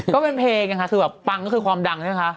ก็เป็นเพลงนะคะคือแบบปังก็คือความดังใช่ไหมคะ